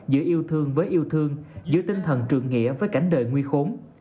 giữa yêu thương với yêu thương giữa tinh thần trường nghĩa với cảnh đời nguy khốn